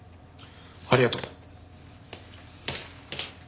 ありがとう。